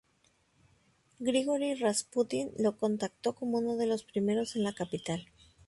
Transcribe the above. Grigori Rasputin lo contactó como uno de los primeros en la capital.